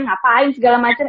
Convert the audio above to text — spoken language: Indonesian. ngapain segala macem